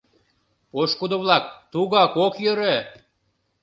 Пошкудо-влак, тугак ок йӧрӧ!